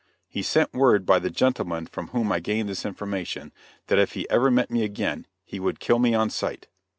He sent word by the gentleman from whom I gained this information, that if he ever met me again he would kill me on sight.